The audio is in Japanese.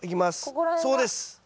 そこです。